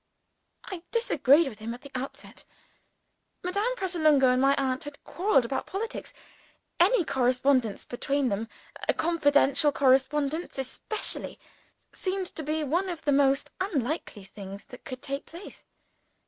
I disagreed with him at the outset. Madame Pratolungo and my aunt had quarreled about politics. Any correspondence between them a confidential correspondence especially seemed to be one of the most unlikely things that could take place.